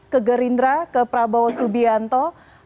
ke gerindra ke prabowo subianto